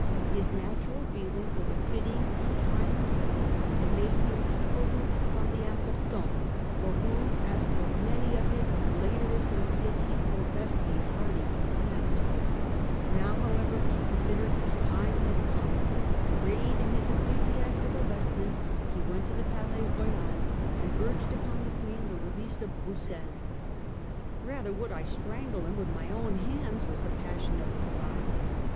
His natural feeling for the fitting in time and place had made him keep aloof from the ' Importants,' for whom, as for many of his later associates, he professed a hearty contempt. Now however he considered his time was come. Arrayed in his ecclesiastical vestments he went to the Palais Royal and urged upon the Queen the release of Broussel. * Rather would I strangle him with my own hands, 1 was the passionate reply.